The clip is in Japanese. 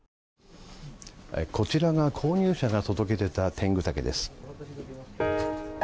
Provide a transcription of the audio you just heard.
こちらが購入者が届け出たテングタケです。